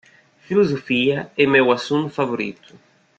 Filosofia é meu assunto favorito.